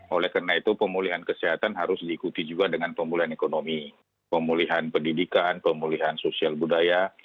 oleh karena itu pemulihan kesehatan harus diikuti juga dengan pemulihan ekonomi pemulihan pendidikan pemulihan sosial budaya